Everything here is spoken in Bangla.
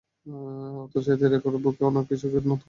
অথচ এতেই রেকর্ড বুকে অনেক কিছু নতুন করে লিখিয়েছেন বেন স্টোকস।